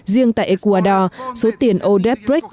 riêng tại ecuador số tiền odebrecht